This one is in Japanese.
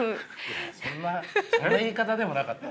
そんなそんな言い方でもなかった。